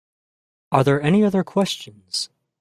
Are there any other questions?